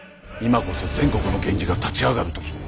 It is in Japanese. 今こそ全国の源氏が立ち上がる時。